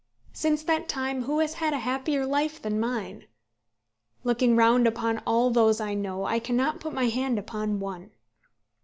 Since that time who has had a happier life than mine? Looking round upon all those I know, I cannot put my hand upon one.